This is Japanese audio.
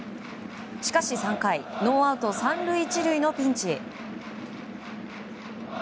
しかし３回ノーアウト３塁１塁のピンチ。